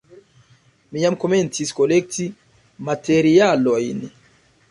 Mi jam komencis kolekti materialojn.